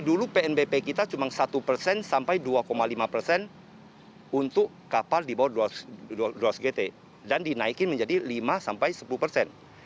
dulu pnbp kita cuma satu persen sampai dua lima persen untuk kapal di bawah dua ratus gt dan dinaikin menjadi lima sampai sepuluh persen